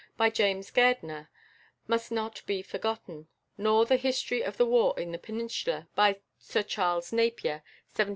by James Gairdner must not be forgotten, nor the "History of the War in the Peninsula," by Sir Charles Napier (1786 1860).